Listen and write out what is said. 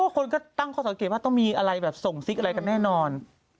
คนก็ตั้งข้อสังเกตว่าต้องมีอะไรแบบส่งซิกอะไรกันแน่นอน